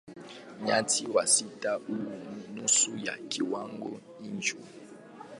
Nyati wa msitu huwa nusu ya kiwango hicho.